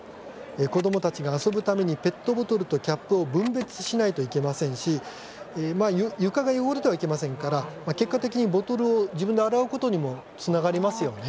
子どもたちが遊ぶためにペットボトルとキャップを分別しないといけませんし床が汚れてはいけませんから結果的にボトルを自分で洗うことにもつながりますよね。